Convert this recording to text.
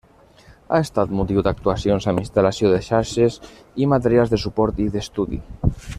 Ha estat motiu d'actuacions amb instal·lació de xarxes i materials de suport, i d'estudi.